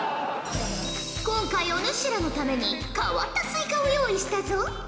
今回お主らのために変わったスイカを用意したぞ！